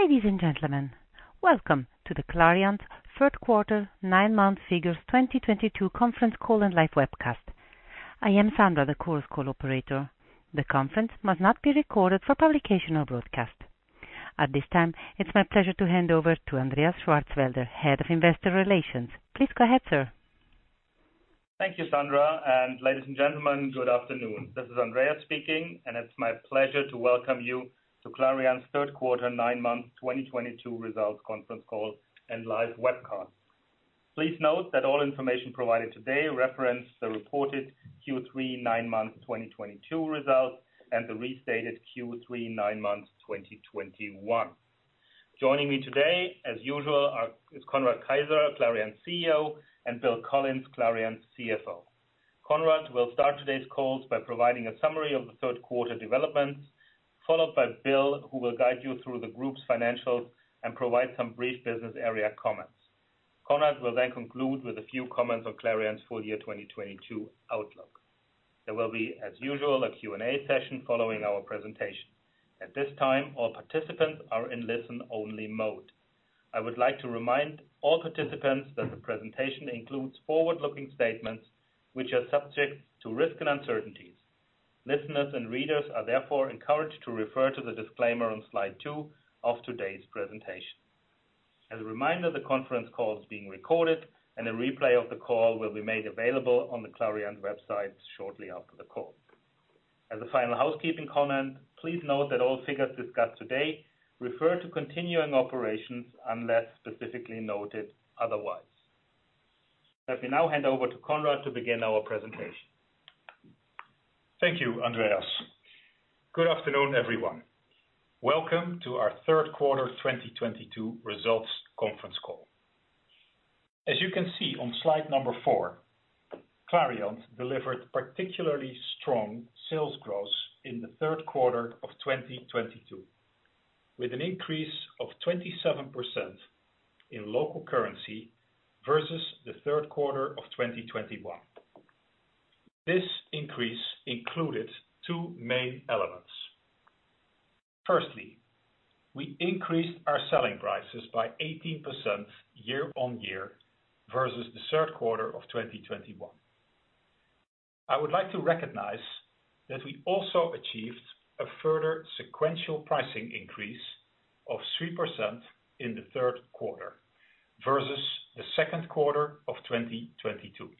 Ladies and gentlemen, welcome to the Clariant third quarter nine-month figures 2022 conference call and live webcast. I am Sandra, the conference call operator. The conference is being recorded for publication or broadcast. At this time, it's my pleasure to hand over to Andreas Schwarzwälder, Head of Investor Relations. Please go ahead, sir. Thank you, Sandra. Ladies and gentlemen, good afternoon. This is Andreas speaking, and it's my pleasure to welcome you to Clariant's Q3 nine-month 2022 results conference call and live webcast. Please note that all information provided today reference the reported Q3 nine-month 2022 results and the restated Q3 nine-month 2021. Joining me today as usual are Conrad Keijzer, Clariant CEO, and Bill Collins, Clariant CFO. Conrad will start today's call by providing a summary of the third quarter developments, followed by Bill, who will guide you through the group's financials and provide some brief business area comments. Conrad will then conclude with a few comments on Clariant's full-year 2022 outlook. There will be, as usual, a Q&A session following our presentation. At this time, all participants are in listen-only mode. I would like to remind all participants that the presentation includes forward-looking statements which are subject to risk and uncertainties. Listeners and readers are therefore encouraged to refer to the disclaimer on slide two of today's presentation. As a reminder, the conference call is being recorded and a replay of the call will be made available on the Clariant website shortly after the call. As a final housekeeping comment, please note that all figures discussed today refer to continuing operations unless specifically noted otherwise. Let me now hand over to Conrad to begin our presentation. Thank you, Andreas. Good afternoon, everyone. Welcome to our third quarter 2022 results conference call. As you can see on slide number four, Clariant delivered particularly strong sales growth in the third quarter of 2022, with an increase of 27% in local currency versus the third quarter of 2021. This increase included two main elements. Firstly, we increased our selling prices by 18% year-on-year versus the third quarter of 2021. I would like to recognize that we also achieved a further sequential pricing increase of 3% in the third quarter versus the second quarter of 2022.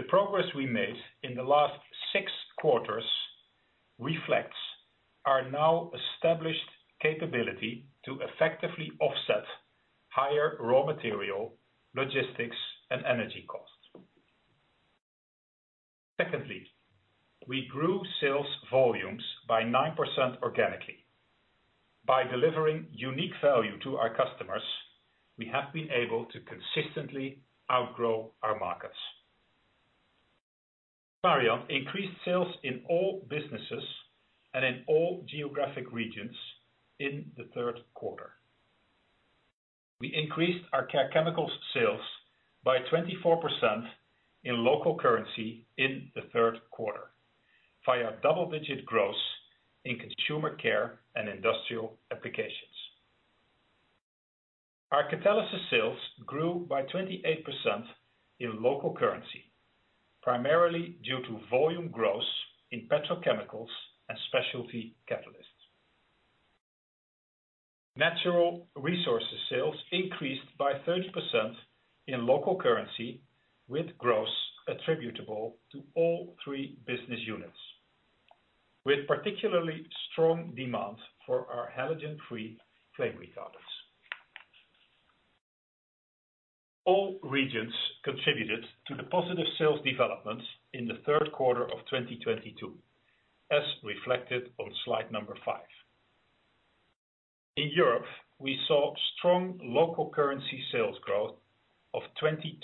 The progress we made in the last six quarters reflects our now established capability to effectively offset higher raw material, logistics, and energy costs. Secondly, we grew sales volumes by 9% organically. By delivering unique value to our customers, we have been able to consistently outgrow our markets. Clariant increased sales in all businesses and in all geographic regions in the third quarter. We increased our Care Chemicals sales by 24% in local currency in the third quarter via double-digit growth in Consumer Care and Industrial Applications. Our Catalysis sales grew by 28% in local currency, primarily due to volume growth in petrochemicals and specialty catalysts. Natural Resources sales increased by 30% in local currency, with growth attributable to all three business units, with particularly strong demand for our halogen-free flame retardants. All regions contributed to the positive sales developments in the third quarter of 2022, as reflected on slide five. In Europe, we saw strong local currency sales growth of 22%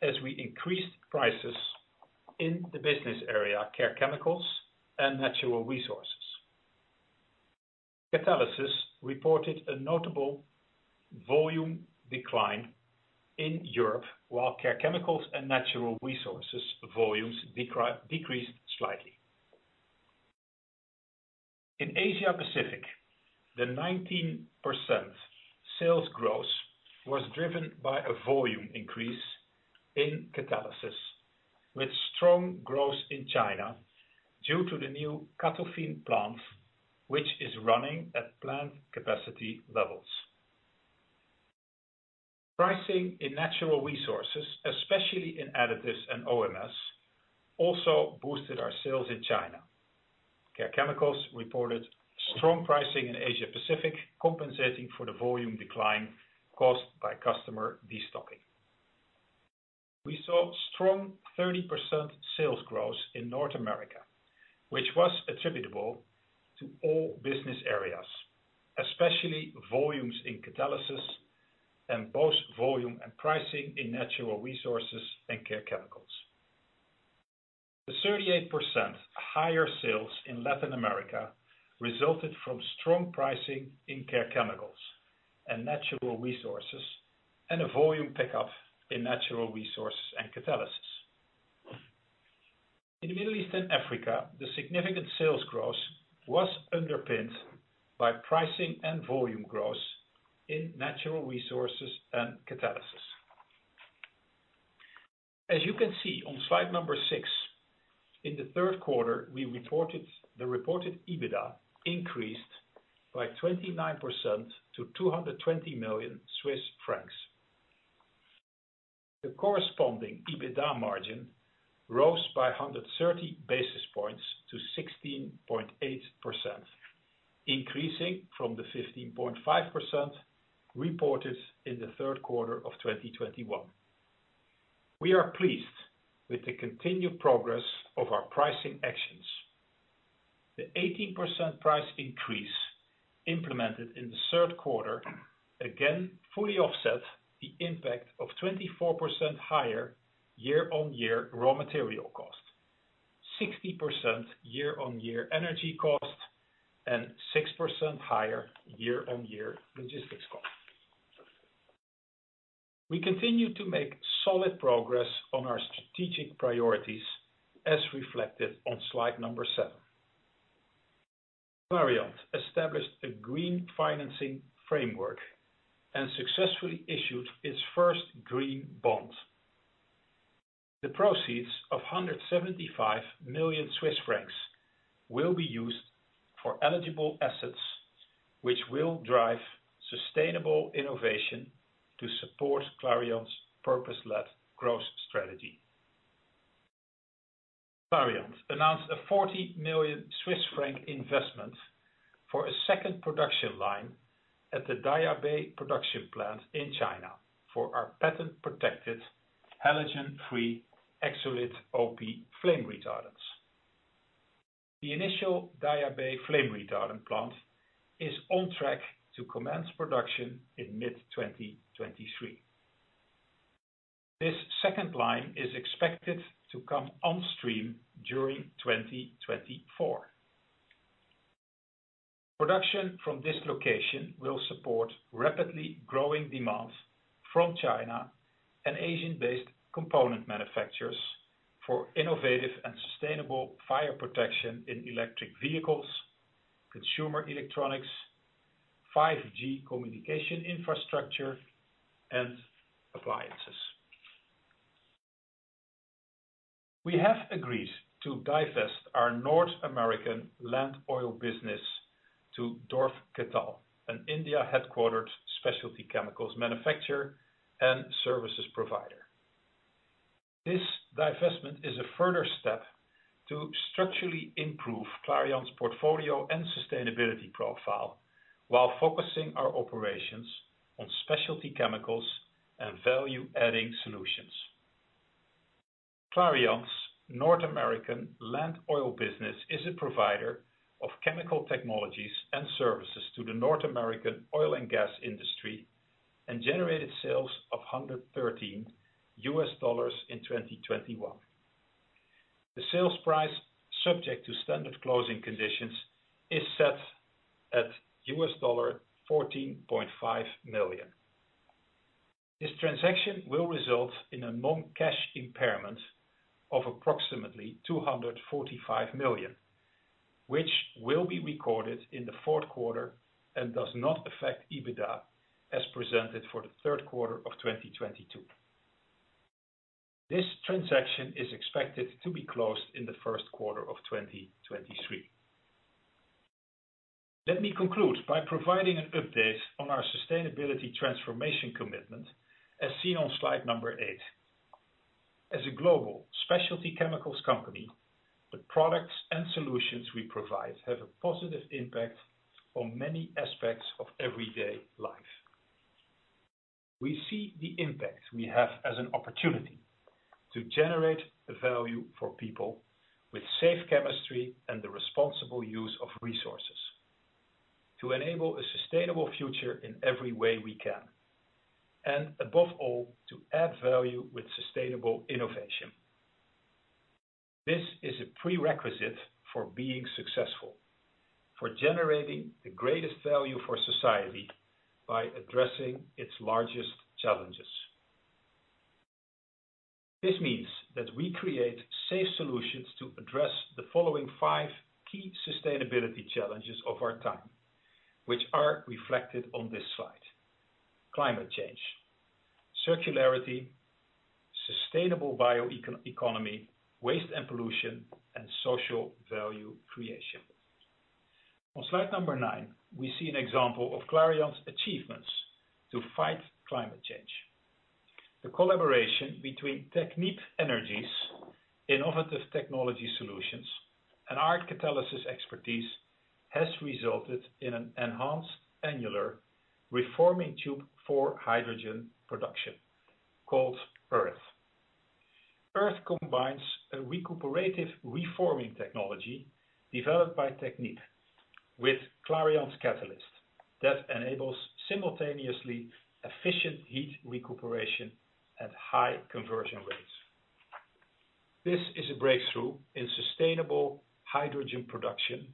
as we increased prices in the business area Care Chemicals and Natural Resources. Catalysis reported a notable volume decline in Europe, while Care Chemicals and Natural Resources volumes decreased slightly. In Asia Pacific, the 19% sales growth was driven by a volume increase in Catalysis, with strong growth in China due to the new CATOFIN plant, which is running at plant capacity levels. Pricing in Natural Resources, especially in Additives and OMS, also boosted our sales in China. Care Chemicals reported strong pricing in Asia Pacific, compensating for the volume decline caused by customer destocking. We saw strong 30% sales growth in North America, which was attributable to all business areas, especially volumes in Catalysis and both volume and pricing in Natural Resources and Care Chemicals. The 38% higher sales in Latin America resulted from strong pricing in Care Chemicals and Natural Resources, and a volume pickup in Natural Resources and Catalysis. In the Middle East and Africa, the significant sales growth was underpinned by pricing and volume growth in Natural Resources and Catalysis. As you can see on slide six, in the third quarter, we reported the reported EBITDA increased by 29% to 220 million Swiss francs. The corresponding EBITDA margin rose by 130 basis points to 16.8%, increasing from the 15.5% reported in the third quarter of 2021. We are pleased with the continued progress of our pricing actions. The 18% price increase implemented in the third quarter again fully offset the impact of 24% higher year-on-year raw material cost, 60% year-on-year energy cost, and 6% higher year-on-year logistics cost. We continue to make solid progress on our strategic priorities, as reflected on slide seven. Clariant established a green financing framework and successfully issued its first green bond. The proceeds of 175 million Swiss francs will be used for eligible assets, which will drive sustainable innovation to support Clariant's purpose-led growth strategy. Clariant announced a 40 million Swiss franc investment for a second production line at the Daya Bay production plant in China for our patent-protected halogen-free Exolit OP flame retardants. The initial Daya Bay flame retardant plant is on track to commence production in mid-2023. This second line is expected to come on stream during 2024. Production from this location will support rapidly growing demand from China and Asian-based component manufacturers for innovative and sustainable fire protection in electric vehicles, consumer electronics, 5G communication infrastructure, and appliances. We have agreed to divest our North American land oil business to Dorf Ketal, an India-headquartered specialty chemicals manufacturer and services provider. This divestment is a further step to structurally improve Clariant's portfolio and sustainability profile while focusing our operations on specialty chemicals and value-adding solutions. Clariant's North American land oil business is a provider of chemical technologies and services to the North American oil and gas industry and generated sales of $113 million in 2021. The sales price, subject to standard closing conditions, is set at $14.5 million. This transaction will result in a non-cash impairment of approximately 245 million, which will be recorded in the fourth quarter and does not affect EBITDA as presented for the third quarter of 2022. This transaction is expected to be closed in the first quarter of 2023. Let me conclude by providing an update on our sustainability transformation commitment, as seen on slide number eight. As a global specialty chemicals company, the products and solutions we provide have a positive impact on many aspects of everyday life. We see the impact we have as an opportunity to generate value for people with safe chemistry and the responsible use of resources to enable a sustainable future in every way we can, and above all, to add value with sustainable innovation. This is a prerequisite for being successful, for generating the greatest value for society by addressing its largest challenges. This means that we create safe solutions to address the following five key sustainability challenges of our time, which are reflected on this slide. Climate change, circularity, sustainable bio-economy, waste and pollution, and social value creation. On slide number nine, we see an example of Clariant's achievements to fight climate change. The collaboration between Technip Energies' innovative technology solutions and our catalysis expertise has resulted in an enhanced annular reforming tube for hydrogen production called EARTH. EARTH combines a recuperative reforming technology developed by Technip with Clariant's catalyst that enables simultaneously efficient heat recuperation at high conversion rates. This is a breakthrough in sustainable hydrogen production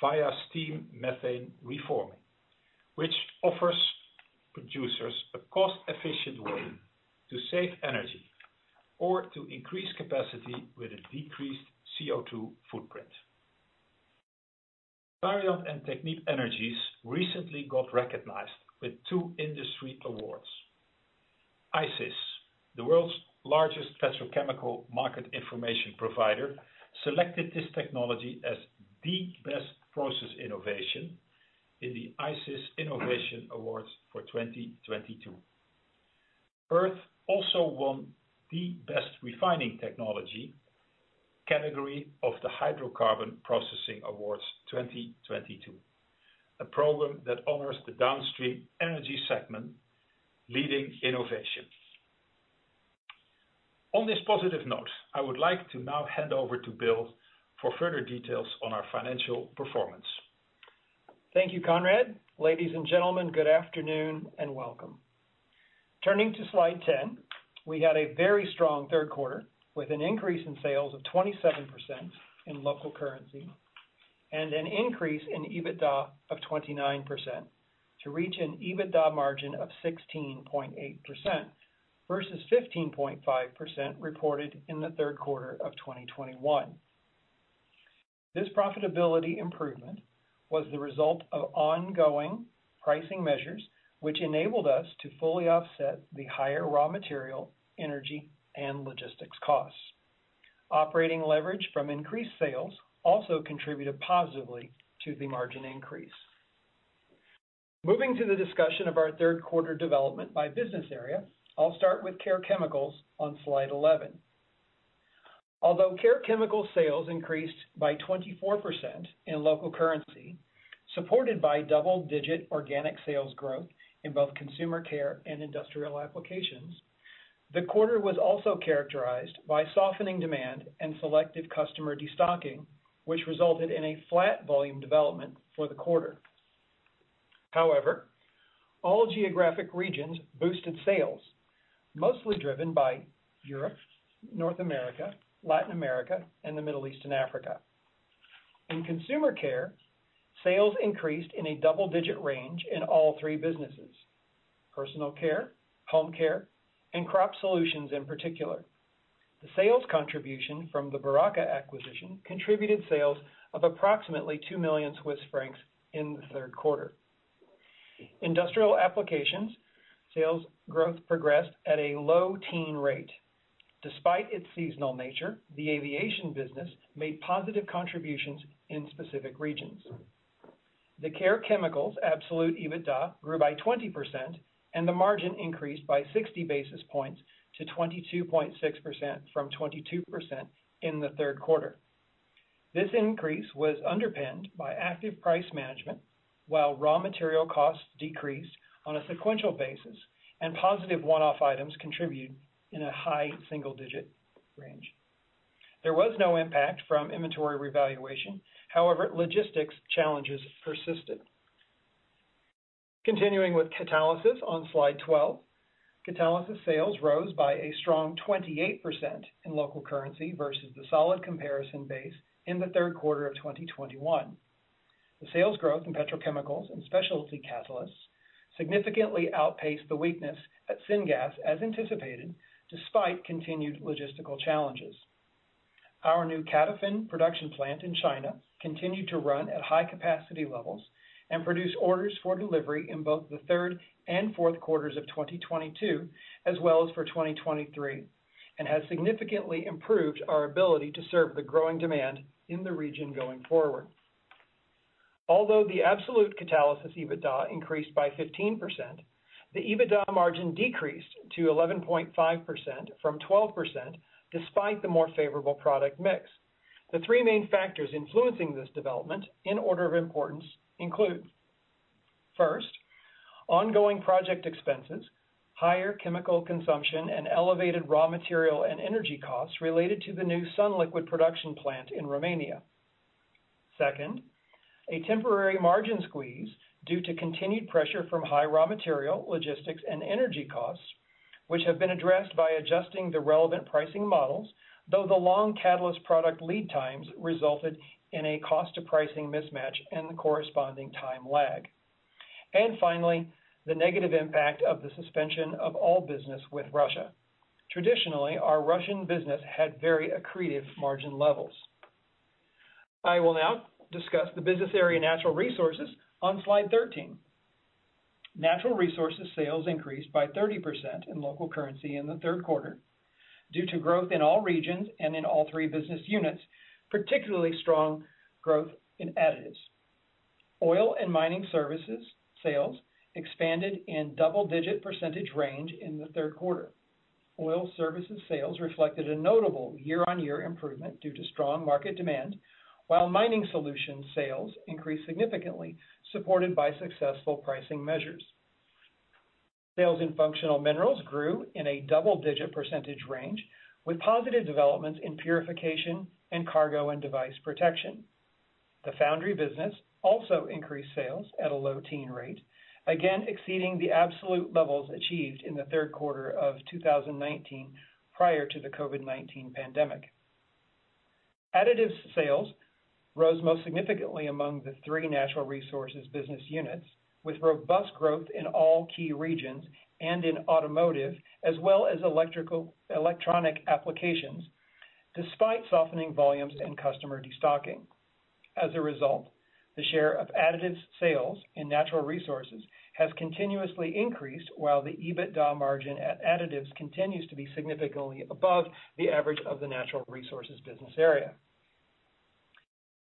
via steam methane reforming, which offers producers a cost-efficient way to save energy or to increase capacity with a decreased CO2 footprint. Clariant and Technip Energies recently got recognized with two industry awards. ICIS, the world's largest petrochemical market information provider, selected this technology as the best process innovation in the ICIS Innovation Awards for 2022. EARTH also won the best refining technology category of the Hydrocarbon Processing Awards 2022, a program that honors the downstream energy segment leading innovation. On this positive note, I would like to now hand over to Bill for further details on our financial performance. Thank you, Conrad. Ladies and gentlemen, good afternoon and welcome. Turning to slide 10, we had a very strong third quarter with an increase in sales of 27% in local currency and an increase in EBITDA of 29% to reach an EBITDA margin of 16.8% versus 15.5% reported in the third quarter of 2021. This profitability improvement was the result of ongoing pricing measures, which enabled us to fully offset the higher raw material, energy, and logistics costs. Operating leverage from increased sales also contributed positively to the margin increase. Moving to the discussion of our third quarter development by business area, I'll start with Care Chemicals on slide 11. Although Care Chemicals sales increased by 24% in local currency, supported by double-digit organic sales growth in both consumer care and industrial applications, the quarter was also characterized by softening demand and selective customer destocking, which resulted in a flat volume development for the quarter. However, all geographic regions boosted sales, mostly driven by Europe, North America, Latin America, and the Middle East and Africa. In consumer care, sales increased in a double-digit range in all three businesses: personal care, home care, and crop solutions in particular. The sales contribution from the Beraca acquisition contributed sales of approximately 2 million Swiss francs in the third quarter. Industrial applications sales growth progressed at a low-teens rate. Despite its seasonal nature, the aviation business made positive contributions in specific regions. The Care Chemicals absolute EBITDA grew by 20%, and the margin increased by 60 basis points to 22.6% from 22% in the third quarter. This increase was underpinned by active price management, while raw material costs decreased on a sequential basis and positive one-off items contributed in a high single-digit range. There was no impact from inventory revaluation. However, logistics challenges persisted. Continuing with Catalysis on slide 12. Catalysis sales rose by a strong 28% in local currency versus the solid comparison base in the third quarter of 2021. The sales growth in petrochemicals and specialty catalysts significantly outpaced the weakness at Syngas as anticipated, despite continued logistical challenges. Our new CATOFIN production plant in China continued to run at high capacity levels and produce orders for delivery in both the third and fourth quarters of 2022 as well as for 2023, and has significantly improved our ability to serve the growing demand in the region going forward. Although the absolute Catalysis EBITDA increased by 15%, the EBITDA margin decreased to 11.5% from 12% despite the more favorable product mix. The three main factors influencing this development, in order of importance, include, first, ongoing project expenses, higher chemical consumption, and elevated raw material and energy costs related to the new sunliquid production plant in Romania. Second, a temporary margin squeeze due to continued pressure from high raw material, logistics, and energy costs, which have been addressed by adjusting the relevant pricing models, though the long catalyst product lead times resulted in a cost to pricing mismatch and the corresponding time lag. Finally, the negative impact of the suspension of all business with Russia. Traditionally, our Russian business had very accretive margin levels. I will now discuss the business area Natural Resources on slide 13. Natural Resources sales increased by 30% in local currency in the third quarter due to growth in all regions and in all three business units, particularly strong growth in Additives. Oil and Mining Services sales expanded in double-digit percentage range in the third quarter. Oil Services sales reflected a notable year-on-year improvement due to strong market demand, while Mining Solutions sales increased significantly, supported by successful pricing measures. Sales in Functional Minerals grew in a double-digit percentage range with positive developments in purification, cargo, and device protection. The foundry business also increased sales at a low-teen rate, again exceeding the absolute levels achieved in the third quarter of 2019 prior to the COVID-19 pandemic. Additives sales rose most significantly among the three Natural Resources business units, with robust growth in all key regions and in automotive, as well as electrical and electronic applications, despite softening volumes and customer destocking. As a result, the share of Additives sales in Natural Resources has continuously increased, while the EBITDA margin at Additives continues to be significantly above the average of the Natural Resources business area.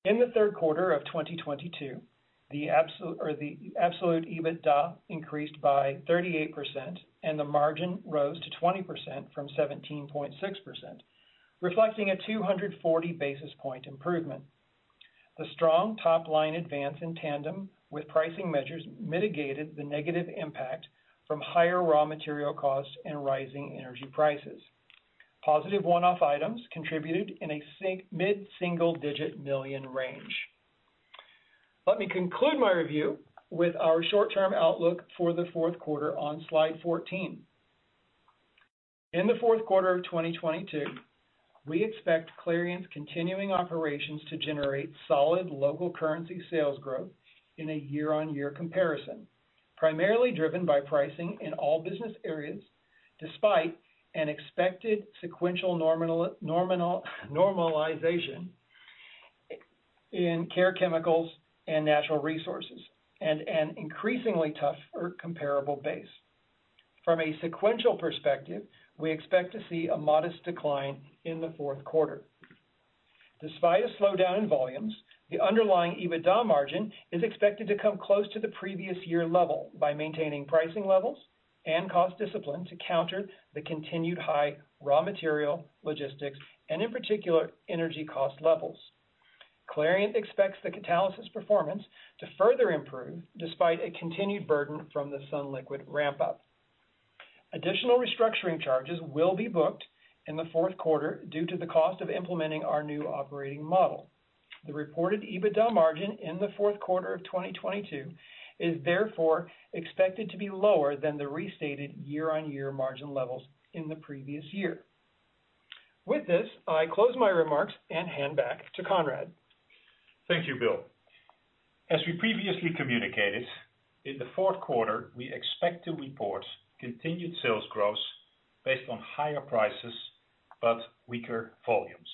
In the third quarter of 2022, the absolute EBITDA increased by 38%, and the margin rose to 20% from 17.6%, reflecting a 240 basis point improvement. The strong top line advance in tandem with pricing measures mitigated the negative impact from higher raw material costs and rising energy prices. Positive one-off items contributed in the mid-single-digit million range. Let me conclude my review with our short-term outlook for the fourth quarter on slide 14. In the fourth quarter of 2022, we expect Clariant's continuing operations to generate solid local currency sales growth in a year-on-year comparison, primarily driven by pricing in all business areas, despite an expected sequential nominal normalization in Care Chemicals and Natural Resources, and an increasingly tougher comparable base. From a sequential perspective, we expect to see a modest decline in the fourth quarter. Despite a slowdown in volumes, the underlying EBITDA margin is expected to come close to the previous year level by maintaining pricing levels and cost discipline to counter the continued high raw material, logistics, and in particular, energy cost levels. Clariant expects the catalysis performance to further improve despite a continued burden from the sunliquid ramp up. Additional restructuring charges will be booked in the fourth quarter due to the cost of implementing our operating model. The reported EBITDA margin in the fourth quarter of 2022 is therefore expected to be lower than the restated year-on-year margin levels in the previous year. With this, I close my remarks and hand back to Conrad. Thank you, Bill. As we previously communicated, in the fourth quarter, we expect to report continued sales growth based on higher prices but weaker volumes,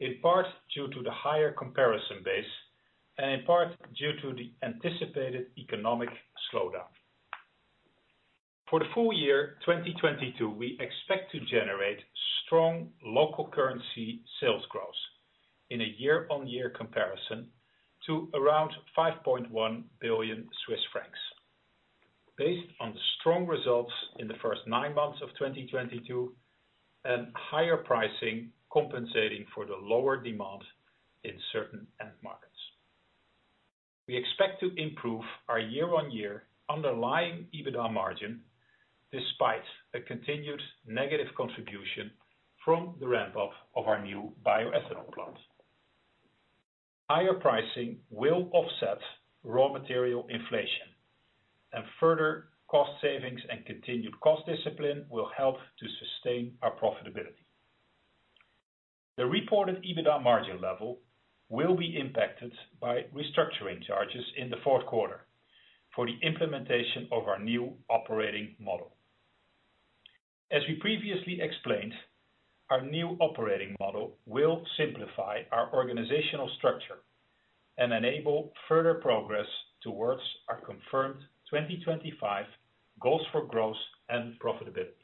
in part due to the higher comparison base and in part due to the anticipated economic slowdown. For the full year 2022, we expect to generate strong local currency sales growth in a year-on-year comparison to around 5.1 billion Swiss francs. Based on the strong results in the first nine months of 2022 and higher pricing compensating for the lower demand in certain end markets. We expect to improve our year-on-year underlying EBITDA margin despite a continued negative contribution from the ramp up of our new bioethanol plant. Higher pricing will offset raw material inflation and further cost savings and continued cost discipline will help to sustain our profitability. The reported EBITDA margin level will be impacted by restructuring charges in the fourth quarter for the implementation of our new operating model. As we previously explained, our new operating model will simplify our organizational structure and enable further progress towards our confirmed 2025 goals for growth and profitability.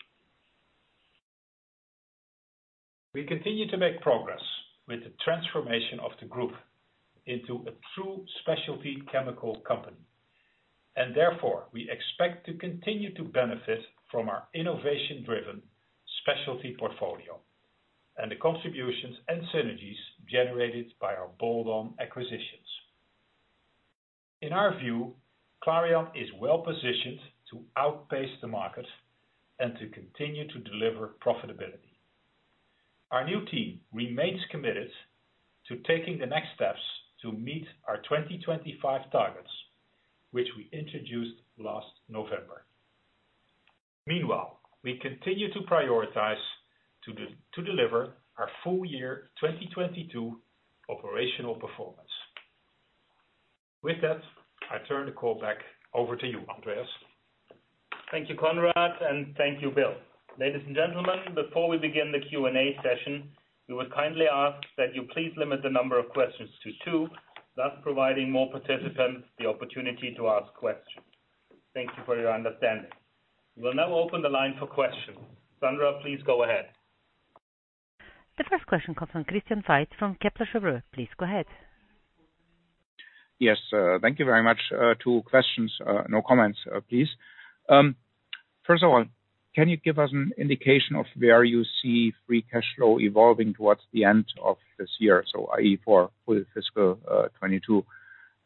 We continue to make progress with the transformation of the group into a true specialty chemical company, and therefore, we expect to continue to benefit from our innovation-driven specialty portfolio and the contributions and synergies generated by our bolt-on acquisitions. In our view, Clariant is well-positioned to outpace the market and to continue to deliver profitability. Our new team remains committed to taking the next steps to meet our 2025 targets, which we introduced last November. Meanwhile, we continue to prioritize to deliver our full year 2022 operational performance. With that, I turn the call back over to you, Andreas. Thank you, Conrad, and thank you, Bill. Ladies and gentlemen, before we begin the Q&A session, we would kindly ask that you please limit the number of questions to two, thus providing more participants the opportunity to ask questions. Thank you for your understanding. We will now open the line for questions. Sandra, please go ahead. The first question comes from Christian Faitz from Kepler Cheuvreux. Please go ahead. Yes, thank you very much. Two questions, no comments, please. First of all, can you give us an indication of where you see free cash flow evolving towards the end of this year, so i.e., for full fiscal 2022?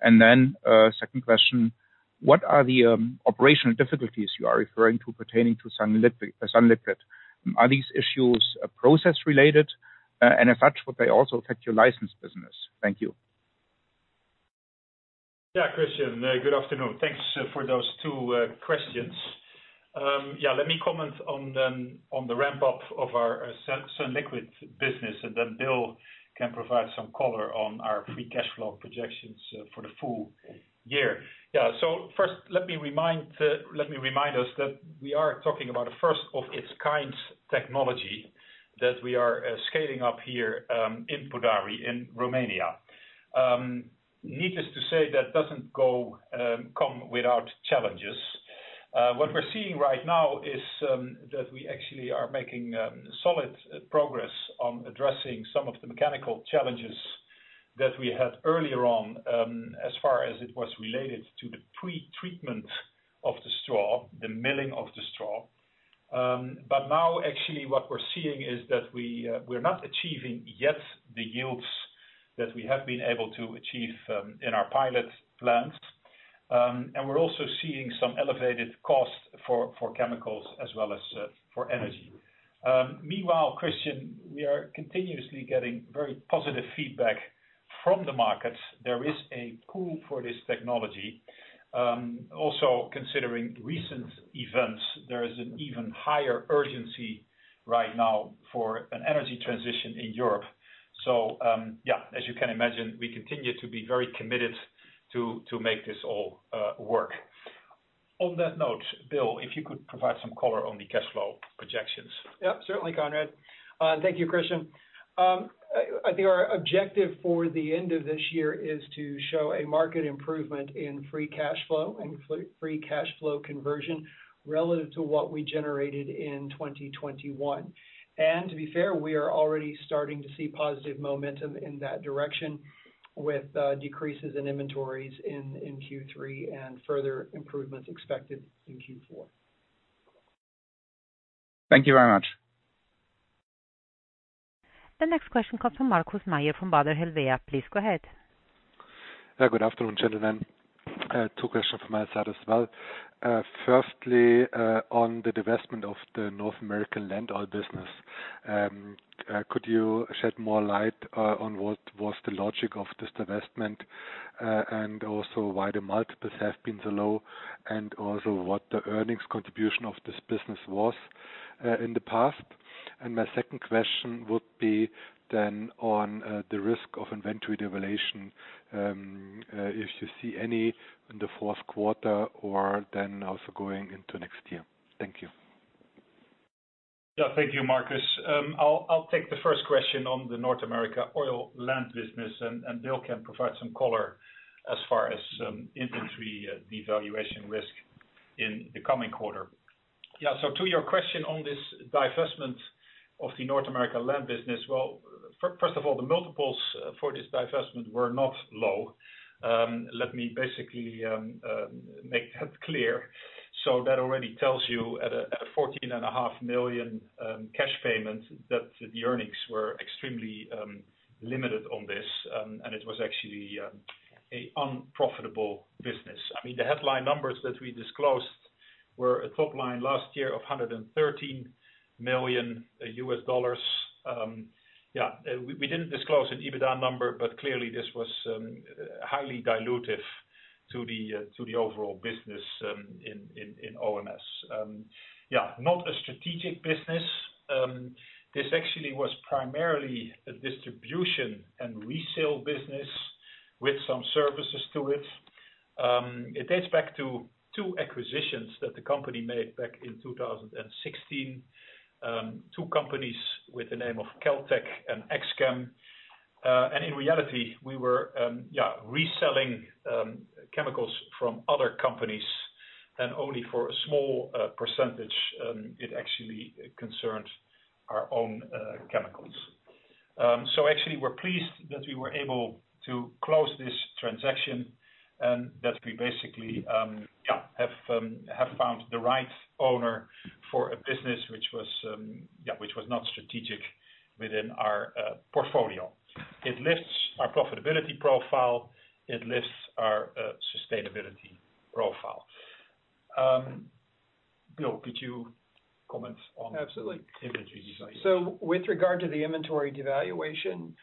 Second question, what are the operational difficulties you are referring to pertaining to sunliquid? Are these issues process related? If that's the case, do they also affect your license business? Thank you. Christian, good afternoon. Thanks for those two questions. Let me comment on the ramp-up of our sunliquid business, and then Bill can provide some color on our free cash flow projections for the full year. First, let me remind us that we are talking about a first of its kind technology that we are scaling up here in Podari, in Romania. Needless to say, that doesn't come without challenges. What we're seeing right now is that we actually are making solid progress on addressing some of the mechanical challenges that we had earlier on, as far as it was related to the pre-treatment of the straw, the milling of the straw. Now actually what we're seeing is that we're not achieving yet the yields that we have been able to achieve in our pilot plants. We're also seeing some elevated costs for chemicals as well as for energy. Meanwhile, Christian, we are continuously getting very positive feedback from the markets. There is a need for this technology. Also considering recent events, there is an even higher urgency right now for an energy transition in Europe. Yeah, as you can imagine, we continue to be very committed to make this all work. On that note, Bill, if you could provide some color on the cash flow projections. Yeah, certainly, Conrad. Thank you, Christian. I think our objective for the end of this year is to show a marked improvement in free cash flow and free cash flow conversion relative to what we generated in 2021. To be fair, we are already starting to see positive momentum in that direction with decreases in inventories in Q3 and further improvements expected in Q4. Thank you very much. The next question comes from Markus Mayer from Baader Helvea. Please go ahead. Good afternoon, gentlemen. Two questions from my side as well. Firstly, on the divestment of the North American land oil business, could you shed more light on what was the logic of this divestment, and also why the multiples have been so low, and also what the earnings contribution of this business was in the past? My second question would be then on the risk of inventory devaluation, if you see any in the fourth quarter or then also going into next year. Thank you. Yeah. Thank you, Markus. I'll take the first question on the North American oil and land business and Bill can provide some color as far as inventory devaluation risk in the coming quarter. Yeah. To your question on this divestment of the North American oil and land business. Well, first of all, the multiples for this divestment were not low. Let me basically make that clear. That already tells you at a $14.5 million cash payment, that the earnings were extremely limited on this. And it was actually an unprofitable business. I mean, the headline numbers that we disclosed were a top line last year of $113 million. We didn't disclose an EBITDA number, but clearly this was highly dilutive to the overall business in OMS. Not a strategic business. This actually was primarily a distribution and resale business with some services to it. It dates back to two acquisitions that the company made back in 2016. Two companies with the name of Kel-Tech and X-Chem. In reality, we were reselling chemicals from other companies and only for a small percentage it actually concerned our own chemicals. Actually we're pleased that we were able to close this transaction and that we basically have found the right owner for a business which was not strategic within our portfolio. It lifts our profitability profile, it lifts our sustainability profile. Bill, could you comment on- Absolutely the inventory devaluation? With regard to the inventory devaluation,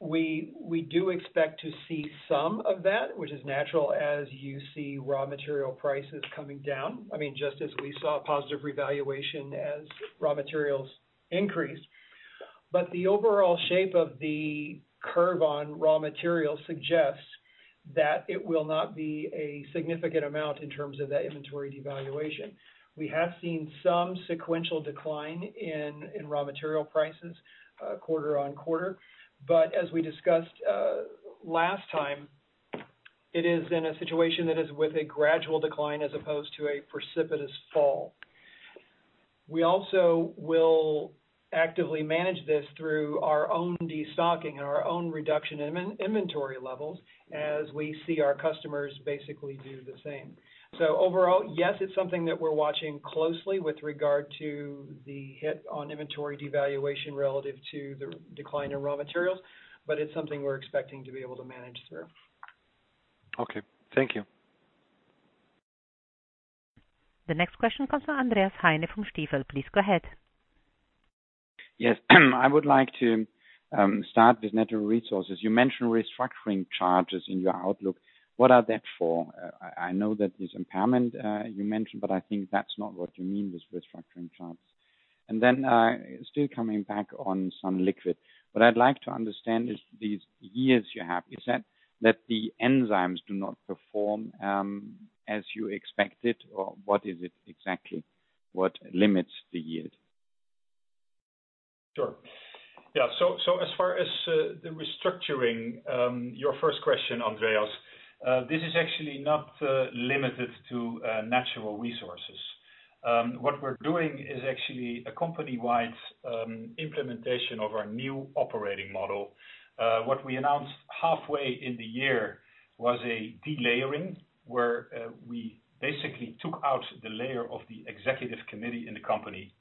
we do expect to see some of that, which is natural, as you see raw material prices coming down. I mean, just as we saw positive revaluation as raw materials increase. But the overall shape of the curve on raw material suggests that it will not be a significant amount in terms of that inventory devaluation. We have seen some sequential decline in raw material prices, quarter on quarter. But as we discussed, last time, it is in a situation that is with a gradual decline as opposed to a precipitous fall. We also will actively manage this through our own destocking and our own reduction in inventory levels as we see our customers basically do the same. Overall, yes, it's something that we're watching closely with regard to the hit on inventory devaluation relative to the decline in raw materials, but it's something we're expecting to be able to manage through. Okay, thank you. The next question comes from Andreas Heine from Stifel. Please go ahead. Yes. I would like to start with Natural Resources. You mentioned restructuring charges in your outlook. What are they for? I know that there's impairment, you mentioned, but I think that's not what you mean with restructuring charges. Then, still coming back on sunliquid. What I'd like to understand is the delays you have, is that the enzymes do not perform as you expected or what is it exactly? What limits the yield? Sure. Yeah. As far as the restructuring, your first question, Andreas, this is actually not limited to Natural Resources. What we're doing is actually a company-wide implementation of our new operating model. What we announced halfway in the year was a delayering, where we basically took out the layer of the executive committee in the company,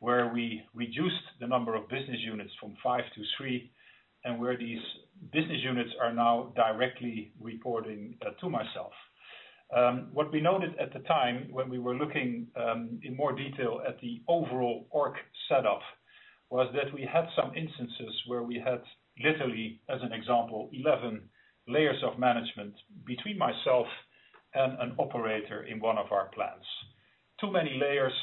where we reduced the number of business units from five to three, and where these business units are now directly reporting to myself. What we noted at the time when we were looking in more detail at the overall org setup was that we had some instances where we had literally, as an example, 11 layers of management between myself and an operator in one of our plants. Too many layers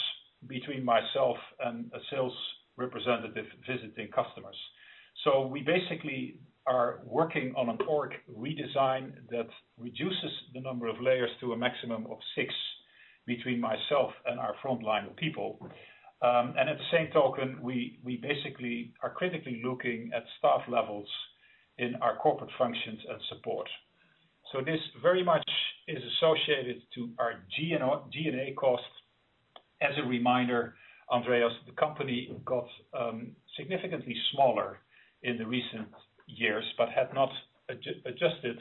between myself and a sales representative visiting customers. We basically are working on org redesign that reduces the number of layers to a maximum of six between myself and our frontline people. At the same time, we basically are critically looking at staff levels in our corporate functions and support. This very much is associated to our G&A cost. As a reminder, Andreas, the company got significantly smaller in the recent years, but had not adjusted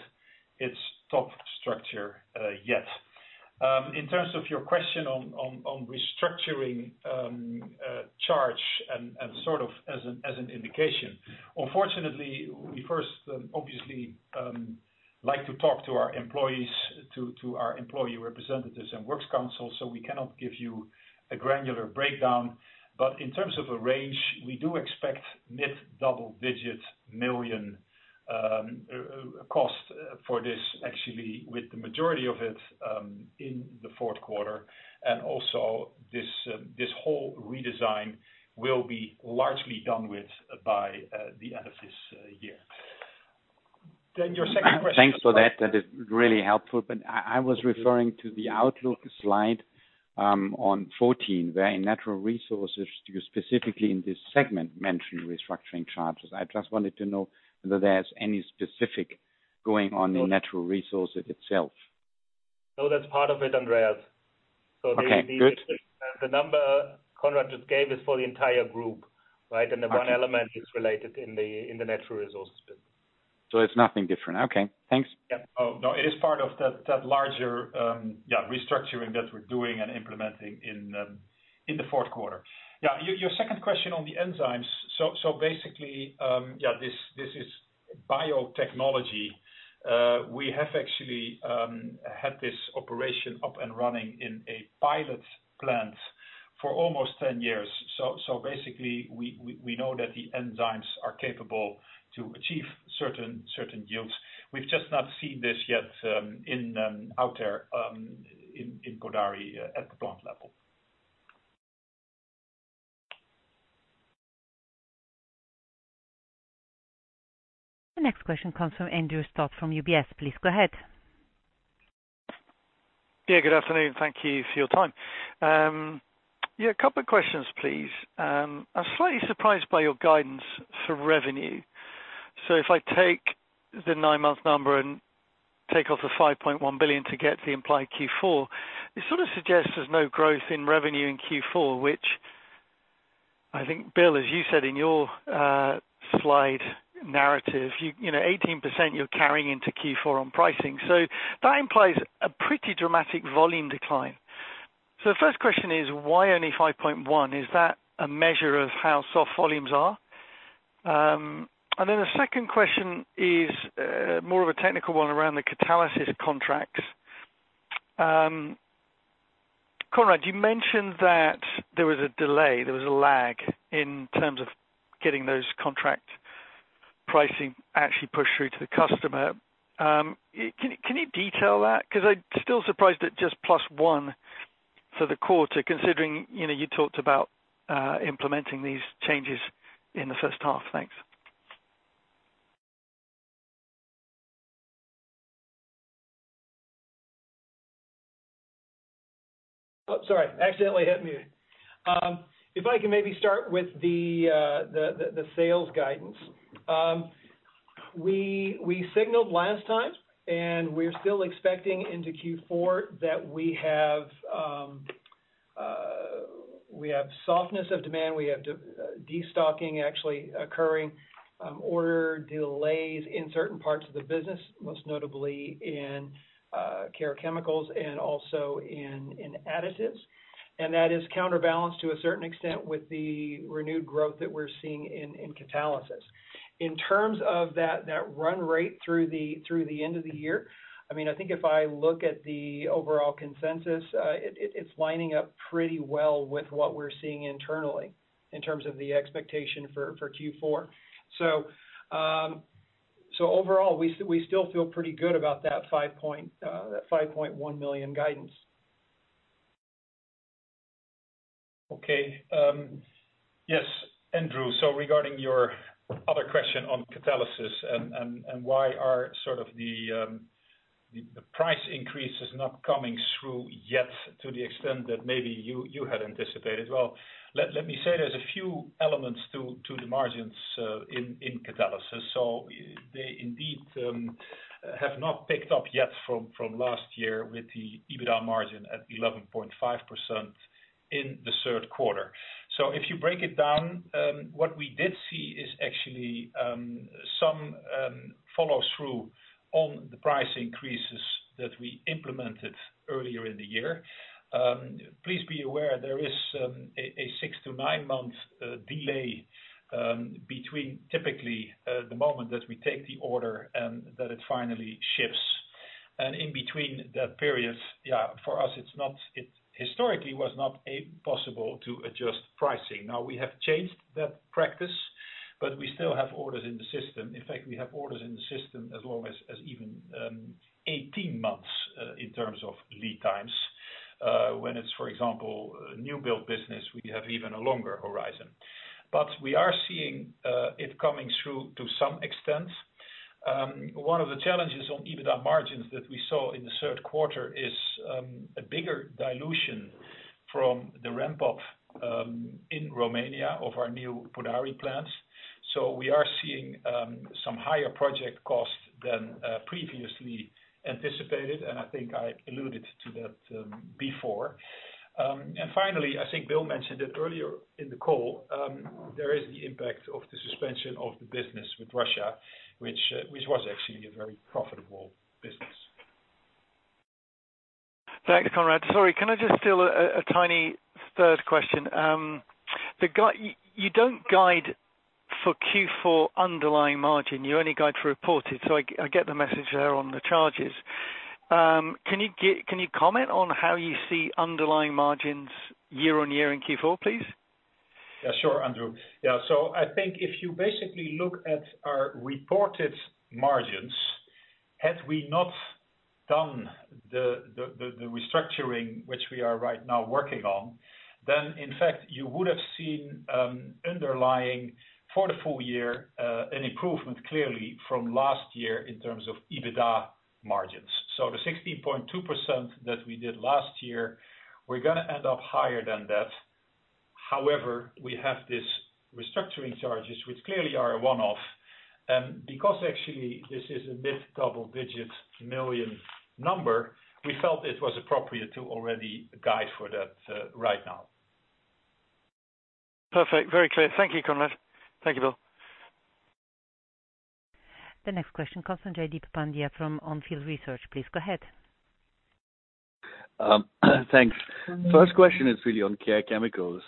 its top structure yet. In terms of your question on restructuring charge and sort of as an indication. Unfortunately, we first obviously like to talk to our employees, to our employee representatives and works council, so we cannot give you a granular breakdown. In terms of a range, we do expect mid-double-digit million cost for this, actually, with the majority of it in the fourth quarter. Also, this whole redesign will be largely done by the end of this year. Your second question. Thanks for that. That is really helpful. I was referring to the outlook slide on 14, where in Natural Resources, you specifically in this segment mentioned restructuring charges. I just wanted to know whether there's anything specific going on in Natural Resources itself. No, that's part of it, Andreas. Okay, good. The number Conrad just gave is for the entire group, right? Okay. The one element is related in the Natural Resources bit. It's nothing different. Okay, thanks. Yeah. Oh, no, it is part of that larger restructuring that we're doing and implementing in the fourth quarter. Yeah. Your second question on the enzymes. Basically, this is biotechnology. We have actually had this operation up and running in a pilot plant for almost 10 years. Basically we know that the enzymes are capable to achieve certain yields. We've just not seen this yet out there in Podari at the plant level. The next question comes from Andrew Scott from UBS. Please go ahead. Yeah, good afternoon. Thank you for your time. Yeah, a couple of questions, please. I'm slightly surprised by your guidance for revenue. If I take the nine-month number and take off the 5.1 billion to get the implied Q4, it sort of suggests there's no growth in revenue in Q4, which I think, Bill, as you said in your slide narrative, you know, 18% you're carrying into Q4 on pricing. That implies a pretty dramatic volume decline. The first question is, why only 5.1 billion? Is that a measure of how soft volumes are? The second question is more of a technical one around the Catalysis contracts. Conrad, you mentioned that there was a delay, there was a lag in terms of getting those contract pricing actually pushed through to the customer. Can you detail that? 'Cause I'm still surprised at just +1% for the quarter, considering, you know, you talked about implementing these changes in the first half. Thanks. Oh, sorry. I accidentally hit mute. If I can maybe start with the sales guidance. We signaled last time, and we're still expecting into Q4 that we have softness of demand, we have destocking actually occurring, order delays in certain parts of the business, most notably in Care Chemicals and also in Additives. That is counterbalanced to a certain extent with the renewed growth that we're seeing in Catalysis. In terms of that run rate through the end of the year. I mean, I think if I look at the overall consensus, it's lining up pretty well with what we're seeing internally in terms of the expectation for Q4. Overall we still feel pretty good about that 5.1 million guidance. Okay. Yes, Andrew. Regarding your other question on catalysis and why are sort of the price increase is not coming through yet to the extent that maybe you had anticipated. Well, let me say there's a few elements to the margins in catalysis. They indeed have not picked up yet from last year with the EBITDA margin at 11.5% in the third quarter. If you break it down, what we did see is actually some follow-through on the price increases that we implemented earlier in the year. Please be aware there is a six to nine-month delay between typically the moment that we take the order and that it finally ships. In between that period, yeah, for us, it historically was not possible to adjust pricing. Now we have changed that practice, but we still have orders in the system. In fact, we have orders in the system as long as even 18 months in terms of lead times when it's, for example, a new build business. We have even a longer horizon. We are seeing it coming through to some extent. One of the challenges on EBITDA margins that we saw in the third quarter is a bigger dilution from the ramp-up in Romania of our new Podari plants. We are seeing some higher project costs than previously anticipated, and I think I alluded to that before. Finally, I think Bill mentioned it earlier in the call. There is the impact of the suspension of the business with Russia, which was actually a very profitable business. Thanks, Conrad. Sorry, can I just steal a tiny third question? You don't guide for Q4 underlying margin, you only guide for reported, so I get the message there on the charges. Can you comment on how you see underlying margins year-on-year in Q4, please? Yeah, sure, Andrew. Yeah, so I think if you basically look at our reported margins, had we not done the restructuring which we are right now working on, then in fact, you would have seen underlying for the full year, an improvement clearly from last year in terms of EBITDA margins. The 16.2% that we did last year, we're gonna end up higher than that. However, we have this restructuring charges which clearly are a one-off. Because actually this is a CHF mid-double-digit million number, we felt it was appropriate to already guide for that, right now. Perfect. Very clear. Thank you, Conrad. Thank you, Bill. The next question comes from Jaideep Pandya from On Field Investment Research. Please go ahead. Thanks. First question is really on Care Chemicals.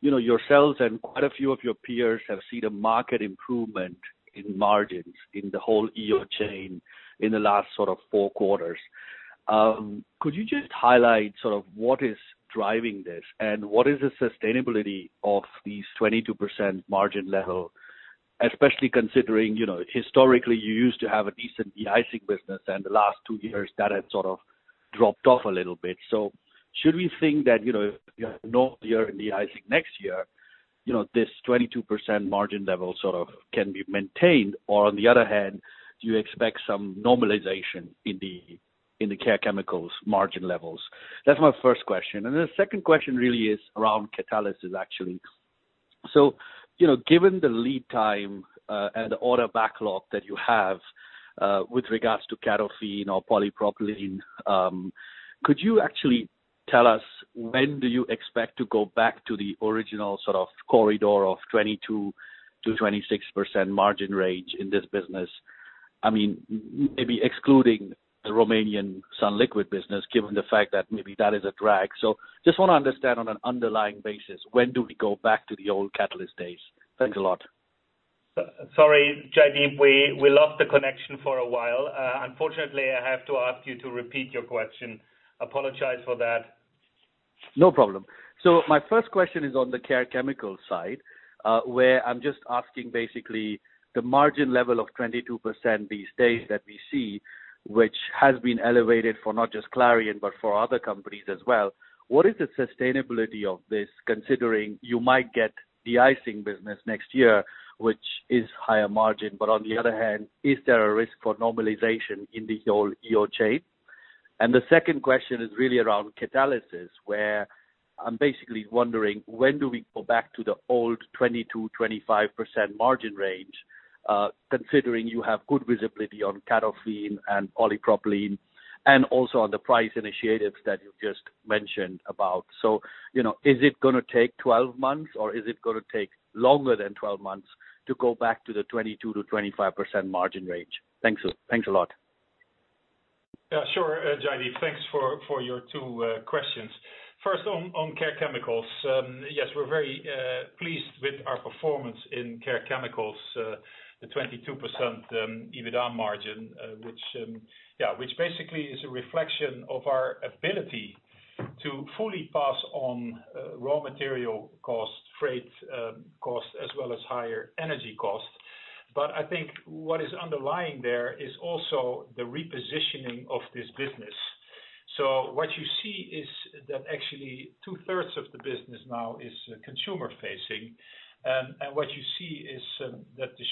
You know, yourselves and quite a few of your peers have seen a market improvement in margins in the whole EO chain in the last sort of four quarters. Could you just highlight sort of what is driving this and what is the sustainability of these 22% margin level, especially considering, you know, historically you used to have a decent de-icing business and the last two years that had sort of dropped off a little bit. So should we think that, you know, you have no year in de-icing next year, you know, this 22% margin level sort of can be maintained? Or on the other hand, do you expect some normalization in the Care Chemicals margin levels? That's my first question. The second question really is around Catalysis, actually. You know, given the lead time and order backlog that you have with regards to CATOFIN or polypropylene, could you actually tell us when do you expect to go back to the original sort of corridor of 22%-26% margin range in this business? I mean, maybe excluding the Romanian sunliquid business, given the fact that maybe that is a drag. Just wanna understand on an underlying basis, when do we go back to the old catalyst days? Thanks a lot. Sorry, Jaideep, we lost the connection for a while. Unfortunately, I have to ask you to repeat your question. Apologize for that. No problem. My first question is on the Care Chemicals side, where I'm just asking basically the margin level of 22% these days that we see, which has been elevated for not just Clariant, but for other companies as well. What is the sustainability of this, considering you might get de-icing business next year, which is higher margin, but on the other hand, is there a risk for normalization in the whole EO chain? The second question is really around Catalysis, where I'm basically wondering when do we go back to the old 20%-25% margin range, considering you have good visibility on CATOFIN and polypropylene and also on the price initiatives that you just mentioned about. You know, is it gonna take 12 months or is it gonna take longer than 12 months to go back to the 22%-25% margin range? Thanks a lot. Yeah, sure, Jaideep. Thanks for your two questions. First on Care Chemicals. Yes, we're very pleased with our performance in Care Chemicals. The 22% EBITDA margin, which basically is a reflection of our ability to fully pass on raw material costs, freight costs, as well as higher energy costs. I think what is underlying there is also the repositioning of this business. What you see is that actually 2/3 of the business now is consumer facing. What you see is that the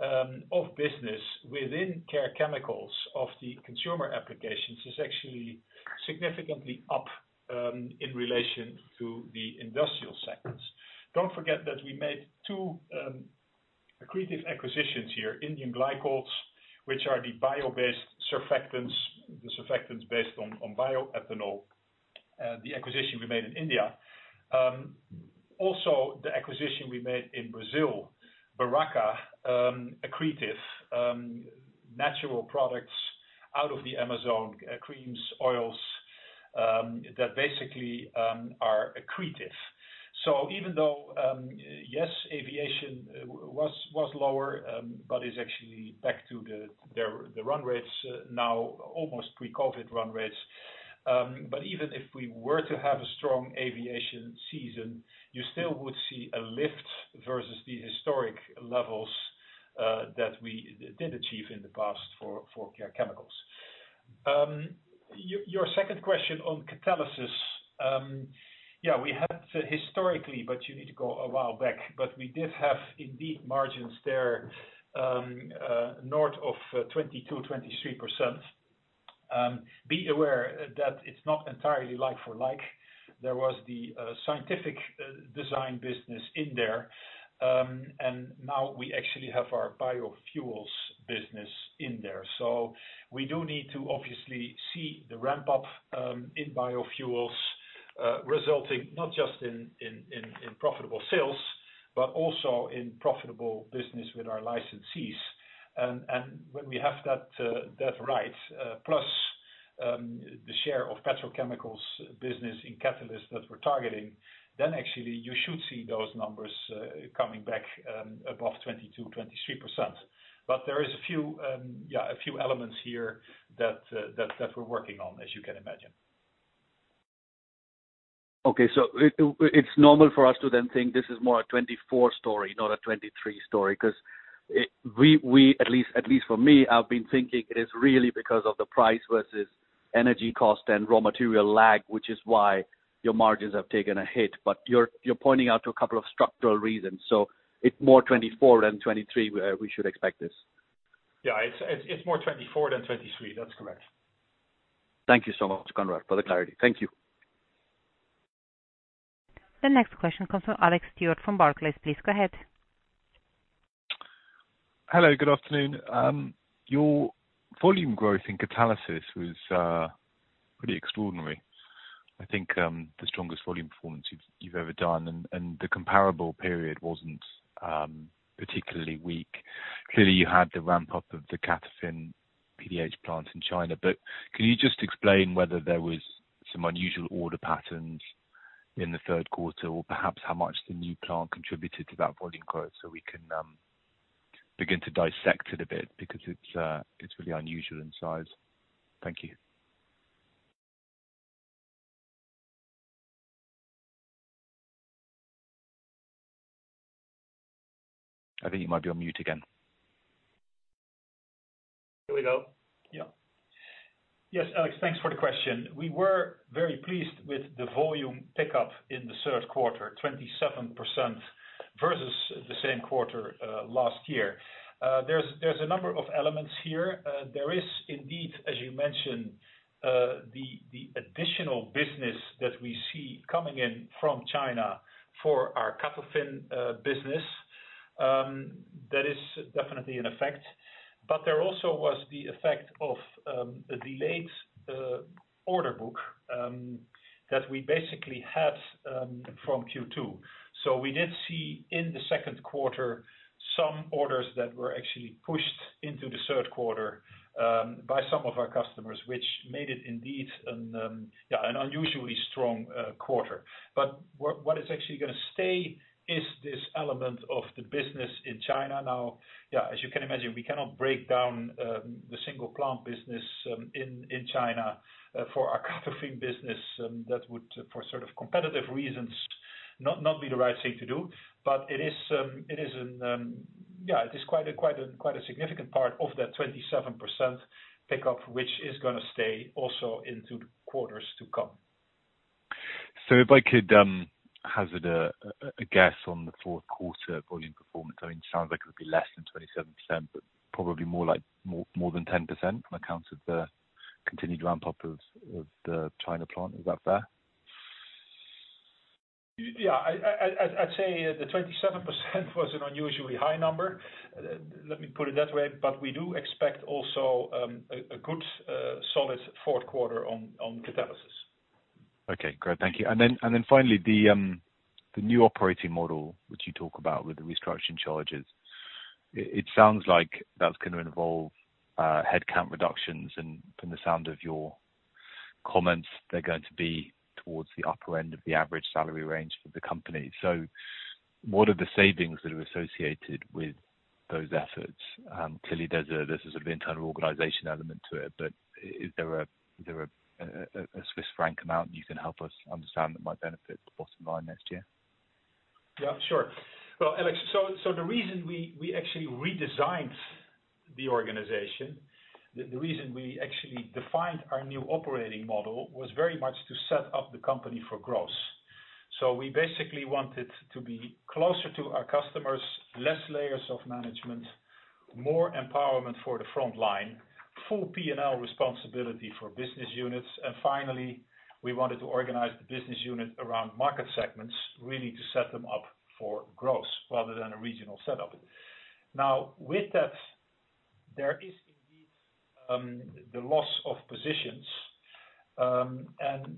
share of business within Care Chemicals of the consumer applications is actually significantly up in relation to the industrial sectors. Don't forget that we made two accretive acquisitions here. India Glycols, which are the bio-based surfactants, the surfactants based on bioethanol. The acquisition we made in India. Also the acquisition we made in Brazil, Beraca, accretive, natural products out of the Amazon, creams, oils that basically are accretive. Even though yes, aviation was lower, but is actually back to their run rates now, almost pre-COVID run rates. Even if we were to have a strong aviation season, you still would see a lift versus the historic levels that we did achieve in the past for Care Chemicals. Your second question on Catalysis. Yeah, we had historically, but you need to go a while back. We did have indeed margins there north of 22%-23%. Be aware that it's not entirely like for like. There was the scientific design business in there, and now we actually have our biofuels business in there. We do need to obviously see the ramp up in biofuels resulting not just in profitable sales, but also in profitable business with our licensees. When we have that right, plus the share of petrochemicals business in Catalysis that we're targeting, then actually you should see those numbers coming back above 22-23%. There is a few elements here that we're working on, as you can imagine. Okay. It's normal for us to then think this is more a 2024 story, not a 2023 story, 'cause. At least for me, I've been thinking it is really because of the price versus energy cost and raw material lag, which is why your margins have taken a hit. But you're pointing out a couple of structural reasons. It's more 2024 than 2023. We should expect this. Yeah, it's more 2024 than 2023. That's correct. Thank you so much, Conrad, for the clarity. Thank you. The next question comes from Alex Stewart from Barclays. Please go ahead. Hello, good afternoon. Your volume growth in Catalysis was pretty extraordinary. I think the strongest volume performance you've ever done, and the comparable period wasn't particularly weak. Clearly, you had the ramp up of the CATOFIN PDH plant in China, but can you just explain whether there was some unusual order patterns in the third quarter or perhaps how much the new plant contributed to that volume growth so we can begin to dissect it a bit? Because it's really unusual in size. Thank you. I think you might be on mute again. Here we go. Yeah. Yes, Alex, thanks for the question. We were very pleased with the volume pickup in the third quarter, 27% versus the same quarter last year. There's a number of elements here. There is indeed, as you mentioned, the additional business that we see coming in from China for our Catalysis business. That is definitely in effect. There also was the effect of a delayed order book that we basically had from Q2. We did see in the second quarter some orders that were actually pushed into the third quarter by some of our customers, which made it indeed an unusually strong quarter. What is actually gonna stay is this element of the business in China. Now, yeah, as you can imagine, we cannot break down the single plant business in China for our Catalysis business. That would, for sort of competitive reasons, not be the right thing to do. It is quite a significant part of that 27% pickup, which is gonna stay also into the quarters to come. If I could hazard a guess on the fourth quarter volume performance. I mean, it sounds like it would be less than 27%, but probably more like more than 10% on account of the continued ramp-up of the China plant. Is that fair? Yeah. I'd say the 27% was an unusually high number. Let me put it that way. We do expect also a good solid fourth quarter on Catalysis. Okay, great. Thank you. Finally, the new operating model, which you talk about with the restructuring charges, it sounds like that's gonna involve headcount reductions. From the sound of your comments, they're going to be towards the upper end of the average salary range for the company. What are the savings that are associated with those efforts? Clearly there's a sort of internal organization element to it, but is there a Swiss franc amount you can help us understand that might benefit the bottom line next year? Yeah, sure. Well, Alex, the reason we actually defined our new operating model was very much to set up the company for growth. We basically wanted to be closer to our customers, less layers of management, more empowerment for the front line, full P&L responsibility for business units. Finally, we wanted to organize the business unit around market segments, really to set them up for growth rather than a regional setup. Now, with that, there is indeed the loss of positions.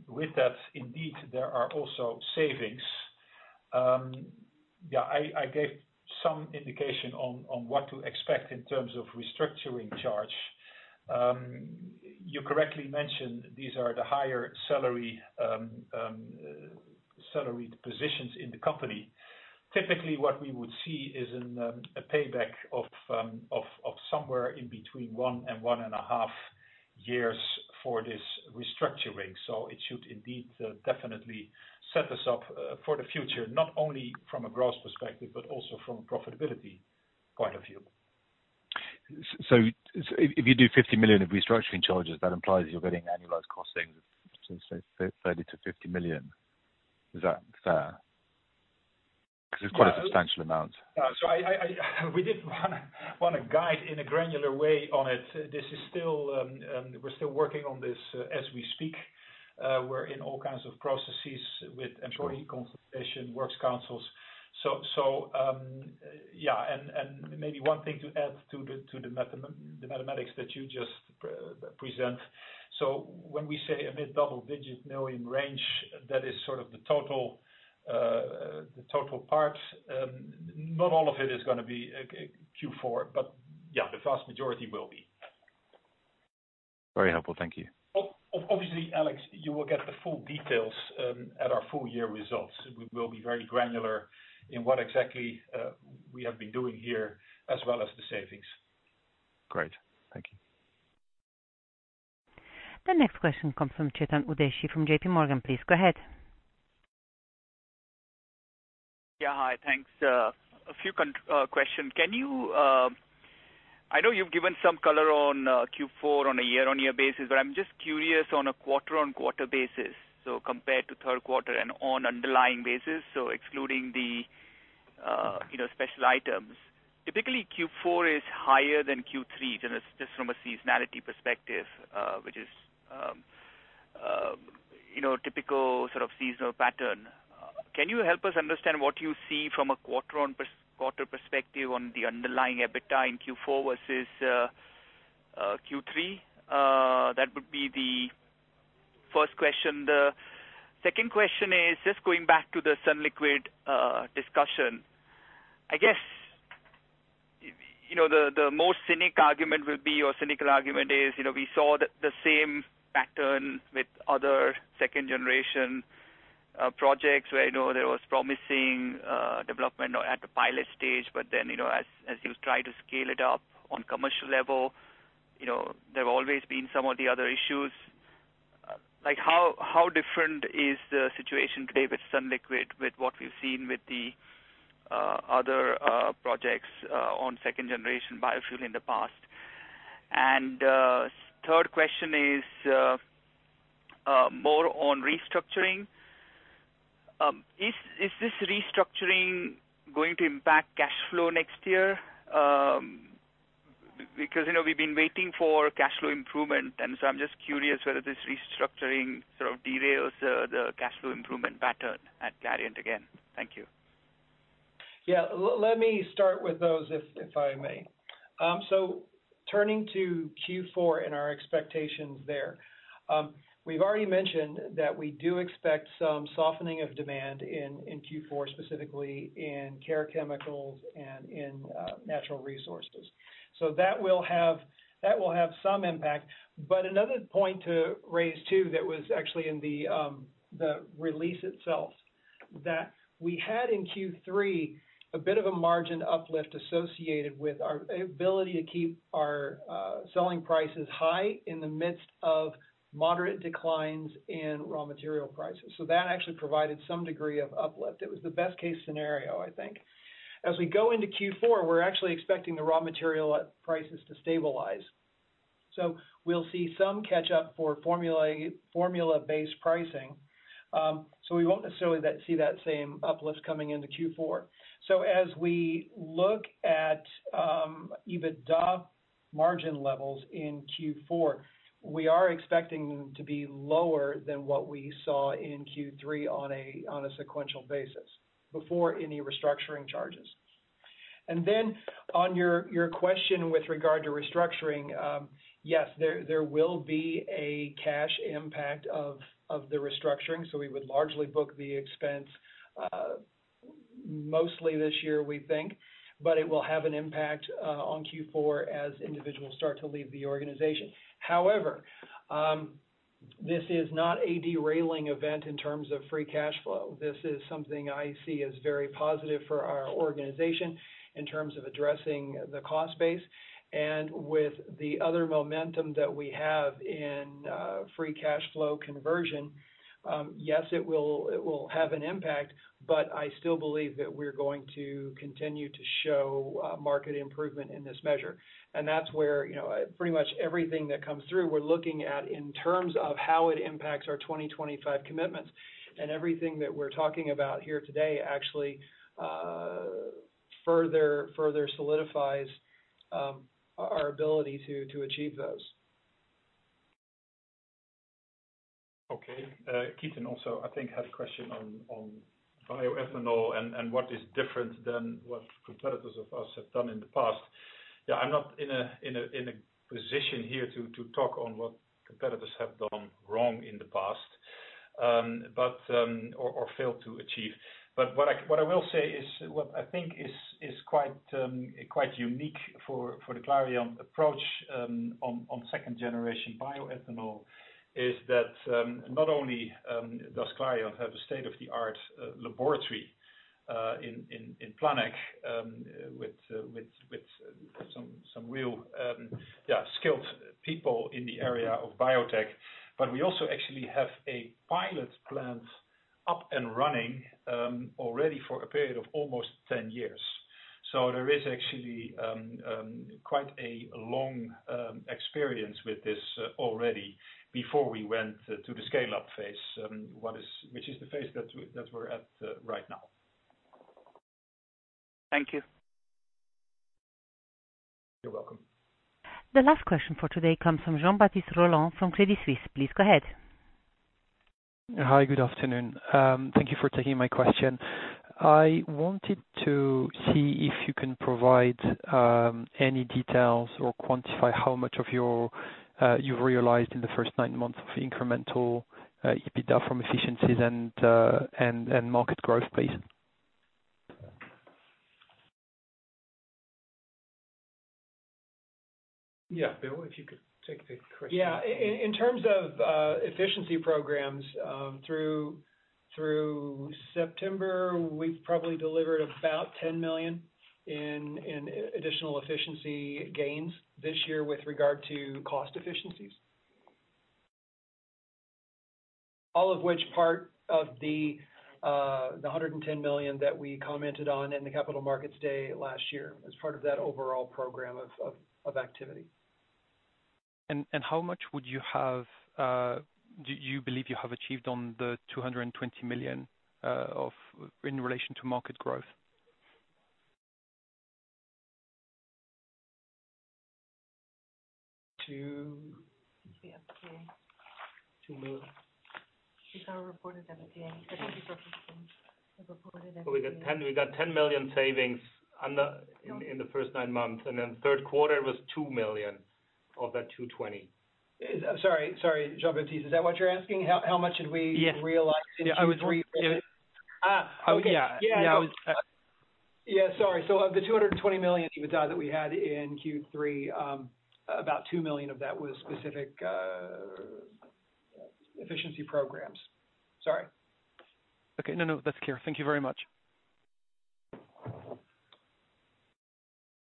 With that, indeed, there are also savings. Yeah, I gave some indication on what to expect in terms of restructuring charge. You correctly mentioned these are the higher salaried positions in the company. Typically, what we would see is a payback of somewhere in between 1-1.5 years for this restructuring. It should indeed definitely set us up for the future, not only from a growth perspective, but also from profitability point of view. If you do 50 million of restructuring charges, that implies you're getting annualized costing, so 30 million-50 million. Is that fair? Yeah. Cause it's quite a substantial amount. We didn't wanna guide in a granular way on it. This is still, we're still working on this, as we speak. We're in all kinds of processes with employee consultation, works councils. Yeah. Maybe one thing to add to the mathematics that you just presented. When we say a mid-double-digit million range, that is sort of the total part. Not all of it is gonna be Q4, but yeah, the vast majority will be. Very helpful. Thank you. Obviously, Alex, you will get the full details at our full year results. We will be very granular in what exactly we have been doing here as well as the savings. Great. Thank you. The next question comes from Chetan Udeshi from JPMorgan. Please go ahead. Yeah. Hi. Thanks. A few questions. Can you... I know you've given some color on Q4 on a year-on-year basis, but I'm just curious on a quarter-on-quarter basis, so compared to third quarter and on underlying basis, so excluding the, you know, special items. Typically, Q4 is higher than Q3 just from a seasonality perspective, which is, you know, typical sort of seasonal pattern. Can you help us understand what you see from a quarter-on-quarter perspective on the underlying EBITDA in Q4 versus Q3? That would be the first question. The second question is just going back to the sunliquid discussion. I guess, you know, the most cynical argument is, you know, we saw the same pattern with other second-generation projects where, you know, there was promising development or at the pilot stage. You know, as you try to scale it up on commercial level, you know, there have always been some of the other issues. Like, how different is the situation today with sunliquid with what we've seen with the other projects on second generation biofuel in the past? Third question is more on restructuring. Is this restructuring going to impact cash flow next year? Because, you know, we've been waiting for cash flow improvement, and so I'm just curious whether this restructuring sort of derails the cash flow improvement pattern at Clariant again. Thank you. Yeah. Let me start with those if I may. Turning to Q4 and our expectations there, we've already mentioned that we do expect some softening of demand in Q4, specifically in Care Chemicals and in Natural Resources. That will have some impact. Another point to raise, too, that was actually in the release itself, that we had in Q3 a bit of a margin uplift associated with our ability to keep our selling prices high in the midst of moderate declines in raw material prices. That actually provided some degree of uplift. It was the best-case scenario, I think. As we go into Q4, we're actually expecting the raw material prices to stabilize. We'll see some catch up for formula-based pricing. We won't necessarily see that same uplift coming into Q4. As we look at EBITDA margin levels in Q4, we are expecting them to be lower than what we saw in Q3 on a sequential basis before any restructuring charges. On your question with regard to restructuring, yes, there will be a cash impact of the restructuring. We would largely book the expense, mostly this year, we think. It will have an impact on Q4 as individuals start to leave the organization. However, this is not a derailing event in terms of free cash flow. This is something I see as very positive for our organization in terms of addressing the cost base. With the other momentum that we have in free cash flow conversion, yes, it will have an impact, but I still believe that we're going to continue to show market improvement in this measure. That's where, you know, pretty much everything that comes through, we're looking at in terms of how it impacts our 2025 commitments. Everything that we're talking about here today actually further solidifies our ability to achieve those. Chetan also, I think, had a question on bioethanol and what is different than what competitors of us have done in the past. I'm not in a position here to talk on what competitors have done wrong in the past or failed to achieve. What I will say is, what I think is quite unique for the Clariant approach on second generation bioethanol is that not only does Clariant have a state-of-the-art laboratory in Planegg with some real skilled people in the area of biotech, but we also actually have a pilot plant up and running already for a period of almost 10 years. There is actually quite a long experience with this already before we went to the scale-up phase, which is the phase that we're at right now. Thank you. You're welcome. The last question for today comes from Jean-Baptiste Rolland from Credit Suisse. Please go ahead. Hi, good afternoon. Thank you for taking my question. I wanted to see if you can provide any details or quantify how much of your you've realized in the first nine months of incremental EBITDA from efficiencies and market growth, please. Yeah. Bill, if you could take the question. Yeah. In terms of efficiency programs, through September, we've probably delivered about 10 million in additional efficiency gains this year with regard to cost efficiencies. All of which part of the 110 million that we commented on in the Capital Markets Day last year as part of that overall program of activity. How much do you believe you have achieved on the 220 million in relation to market growth? To... CHF 2 million These are reported at the end. The 50/50. They're reported at the end. We got 10 million savings. In the first nine months, then third quarter it was 2 million of that 220 million. Sorry, Jean-Baptiste, is that what you're asking? How much did we- Yes. realize in Q3? Yeah, I was re- Ah. Yeah. No, it's. Yeah, sorry. Of the 220 million EBITDA that we had in Q3, about 2 million of that was specific efficiency programs. Sorry. Okay. No, no, that's clear. Thank you very much.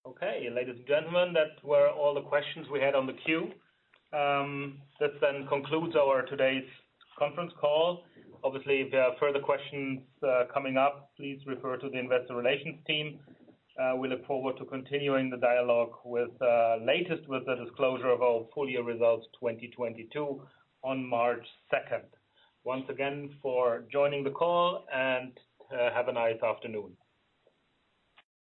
Okay. Ladies and gentlemen, that were all the questions we had on the queue. That then concludes our today's conference call. Obviously, if there are further questions coming up, please refer to the investor relations team. We look forward to continuing the dialogue with the disclosure of our full year results 2022 on March second. Thank you once again for joining the call, and have a nice afternoon.